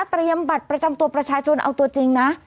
บัตรประจำตัวประชาชนเอาตัวจริงนะ